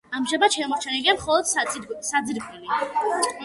ამჟამად შემორჩენილია მხოლოდ საძირკველი.